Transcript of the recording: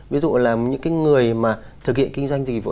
ví dụ là những người thực hiện kinh doanh dịch vụ